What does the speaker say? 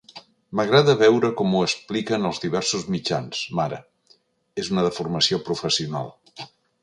M'agrada veure com ho expliquen els diversos mitjans, mare, és una deformació professional.